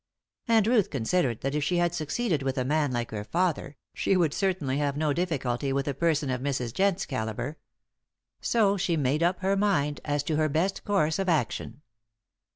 And Ruth considered that if she had succeeded with a man like her father she would certainly have no difficulty with a person of Mrs. Jent's calibre. So she made up her mind as to her best course of action.